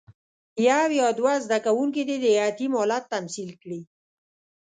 یو یا دوه زده کوونکي دې د یتیم حالت تمثیل کړي.